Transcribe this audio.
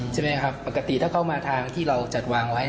ใช่ไหมครับปกติถ้าเข้ามาทางที่เราจัดวางไว้